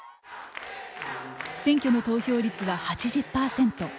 選挙の投票率は８０％。